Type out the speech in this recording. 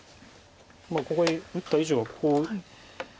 ここへ打った以上はここを打つ。